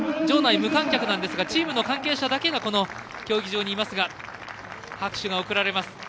場内、無観客なんですがチームの関係者だけがこの競技場にいますが拍手が送られます。